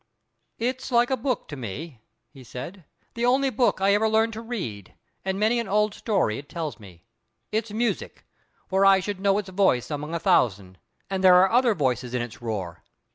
"It's like a book to me," he said—"the only book I ever learned to read; and many an old story it tells me. It's music; for I should know its voice among a thousand, and there are other voices in its roar.